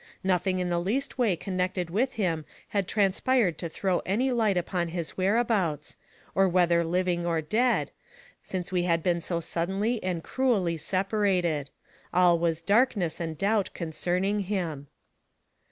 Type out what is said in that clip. Nothing in the least way connected with him had transpired to throw any light upon his 208 NARRATIVE OF CAPTIVITY whereabouts, or whether living or dead, since we had been so suddenly and cruelly separated. All was darkness and doubt concerning him.